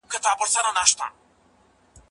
د وزن او جسامت یادونه شوې ده.